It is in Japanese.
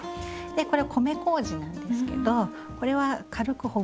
でこれ米こうじなんですけどこれは軽くほぐして下さい。